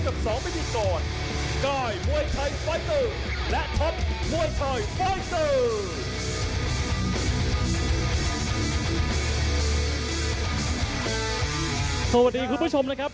กายวอร์ดาวัสต่อเจริญศุกร์ครับ